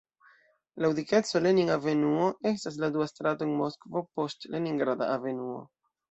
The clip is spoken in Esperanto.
Laŭ dikeco Lenin-avenuo estas la dua strato en Moskvo post Leningrada avenuo.